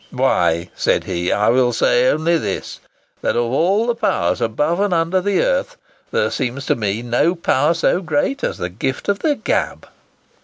"Why," said he, "I will only say this, that of all the powers above and under the earth, there seems to me to be no power so great as the gift of the gab."